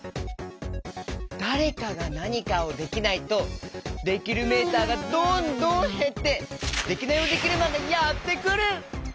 だれかがなにかをできないとできるメーターがどんどんへってデキナイヲデキルマンがやってくる！